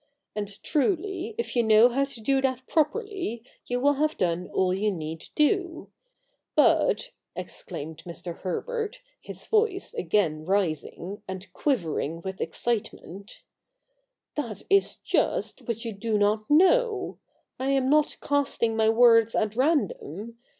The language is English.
And truly if you know how to do that properly, you will have done all you need do. But,' exclaimed Mr. Herbert, his voice again rising, and quivering with excitement, ' that is just what you do not know. I am not casting my words at random.